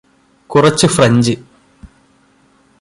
കുറച്ച് ഫ്രഞ്ച്